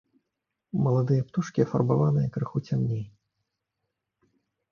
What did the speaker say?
Маладыя птушкі афарбаваныя крыху цямней.